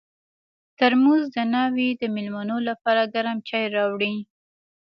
ترموز د ناوې د مېلمنو لپاره ګرم چای راوړي.